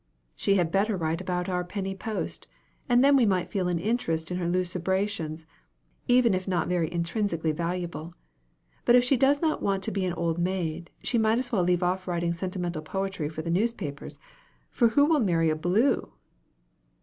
She had better write about our penny post, and then we might feel an interest in her lucubrations, even if not very intrinsically valuable. But if she does not want to be an old maid, she might as well leave off writing sentimental poetry for the newspapers; for who will marry a bleu?"